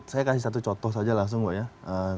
saya kasih satu contoh saja langsung mbak ya